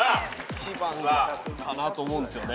１番かなと思うんですよね。